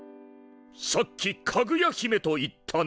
さっきかぐや姫と言ったね？